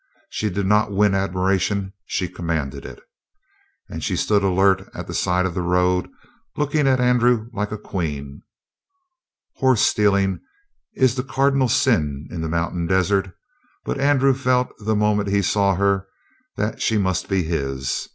She did not win admiration, she commanded it. And she stood alert at the side of the road, looking at Andrew like a queen. Horse stealing is the cardinal sin in the mountain desert, but Andrew felt the moment he saw her that she must be his.